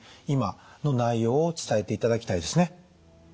今の内容を伝えていただきたいですね。